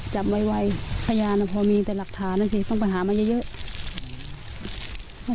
จับไวพยานนามีแต่หลักฐานต้องไปหามาเยอะ